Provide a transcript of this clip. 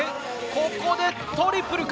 ここでトリプルか。